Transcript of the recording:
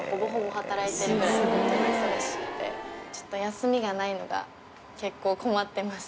休みがないのが結構困ってます。